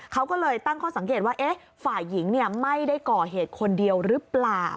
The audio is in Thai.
เขาก็เลยตั้งข้อสังเกตว่าฝ่ายหญิงไม่ได้ก่อเหตุคนเดียวหรือเปล่า